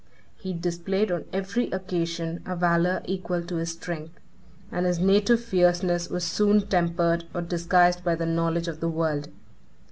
He displayed on every occasion a valor equal to his strength; and his native fierceness was soon tempered or disguised by the knowledge of the world.